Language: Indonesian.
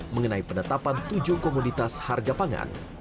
mengenai penetapan tujuh komoditas harga pangan